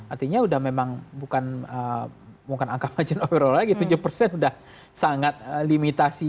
artinya sudah memang bukan angka margin of error lagi tujuh sudah sangat limitasi